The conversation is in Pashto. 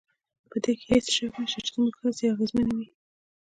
په دې کې هېڅ شک نشته چې زموږ هڅې اغېزمنې وې